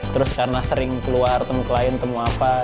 terus karena sering keluar temu klien temu apa